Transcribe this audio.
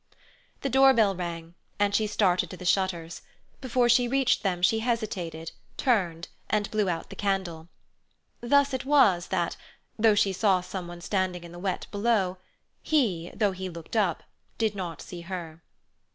The door bell rang, and she started to the shutters. Before she reached them she hesitated, turned, and blew out the candle. Thus it was that, though she saw someone standing in the wet below, he, though he looked up, did not see her.